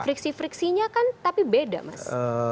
friksi friksinya kan tapi beda mas